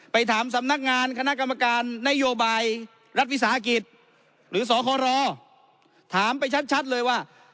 ไปถามสำนักงานคณะกรรมการนโยบายรัฐวิสาหกิจหรือสครอถามไปชัดเลยว่า